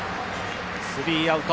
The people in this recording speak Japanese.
スリーアウト。